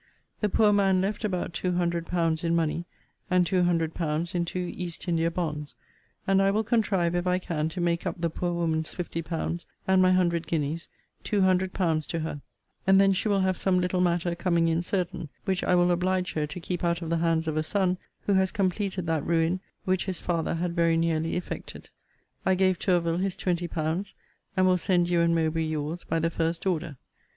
The poor man left about two hundred pounds in money, and two hundred pounds in two East India bonds; and I will contrive, if I can, to make up the poor woman's fifty pounds, and my hundred guineas, two hundred pounds to her; and then she will have some little matter coming in certain, which I will oblige her to keep out of the hands of a son, who has completed that ruin which his father had very nearly effected. I gave Tourville his twenty pounds, and will send you and Mowbray your's by the first order.